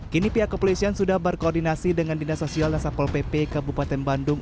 kini pihak kepolisian sudah berkoordinasi dengan dinasosial nasakol pp kabupaten bandung